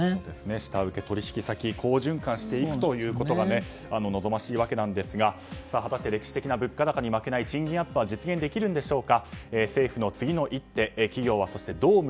下請け、取引先好循環していくということが望ましいわけですが果たして歴史的な物価高に負けない賃金アップは実現できるんでしょうか。